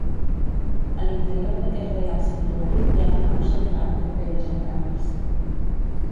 A l'interior d'aquest Reial Santuari hi ha una nau central amb capelles laterals.